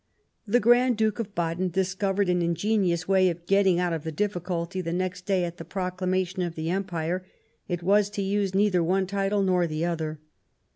The Grand Duke of Baden discovered an ingenious way of getting out of the difficulty the next day at the Proclamation of the Empire : it was to use neither one title nor the other.